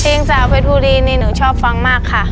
เพลงจากเพชรบุรีนี่หนูชอบฟังมากค่ะ